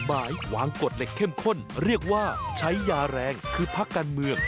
หมายวางกฎเหล็กเข้มข้นเรียกว่าใช้ยาแรงคือพักการเมือง